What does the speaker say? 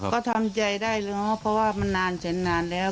ก็ทำใจได้แล้วเพราะว่ามันนานแสนนานแล้ว